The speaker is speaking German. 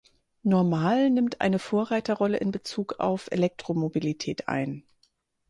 Normal nimmt eine Vorreiter-Rolle in Bezug auf Elektromobilität ein.